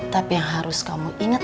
tapi yang harus kamu ingat